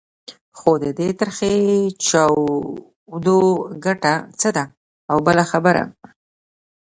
خو د دې تریخې چاودو ګټه څه ده؟ او بله خبره.